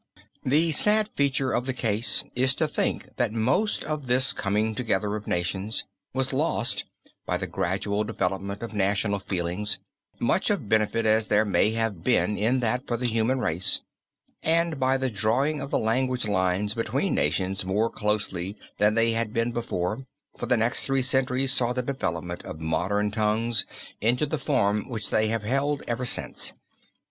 The sad feature of the case is to think that most of this coming together of nations was lost by the gradual development of national feeling, much of benefit as there may have been in that for the human race, and by the drawing of the language lines between nations more closely than they had been before, for the next three centuries saw the development of modern tongues into the form which they have held ever since.